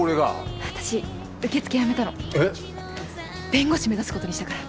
弁護士目指すことにしたから。